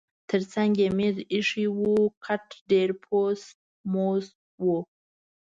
ترڅنګ یې مېز اییښی و، کټ ډېر پوس موس و.